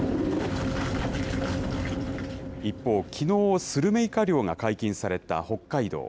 一方、きのうスルメイカ漁が解禁された北海道。